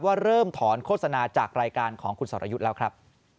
ว่าเริ่มถอนโฆษณาจากรายการของคุณสรยุทธ์แล้วครับ